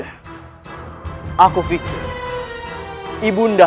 dan aku benar benar sungguh kecewa pada ibu nda